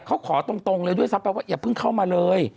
เขาขอตรงเลยด้วยซ้ำไปว่าอย่าเพิ่งเข้ามาเลย